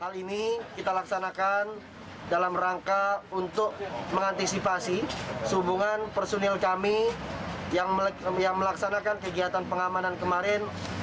hal ini kita laksanakan dalam rangka untuk mengantisipasi sehubungan personil kami yang melaksanakan kegiatan pengamanan kemarin